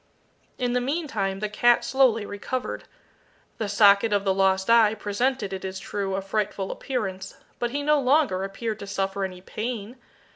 In the meantime the cat slowly recovered. The socket of the lost eye presented, it is true, a frightful appearance, but he no longer appeared to suffer any pain.